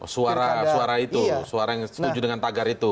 suara suara itu suara yang setuju dengan tagar itu